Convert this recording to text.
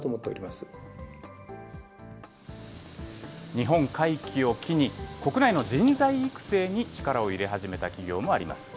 日本回帰を気に、国内の人材育成に力を入れ始めた企業もあります。